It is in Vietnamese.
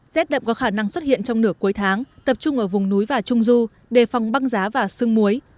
rét đậm có khả năng xuất hiện trong nửa cuối tháng tập trung ở vùng núi và trung du đề phòng băng giá và sương muối